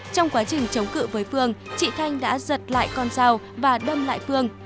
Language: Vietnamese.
trong quá trình chống cự với phương chị thanh đã giật lại con dao và đâm lại phương